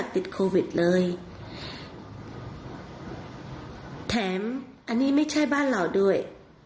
ติดโควิดเลยแถมอันนี้ไม่ใช่บ้านเราด้วย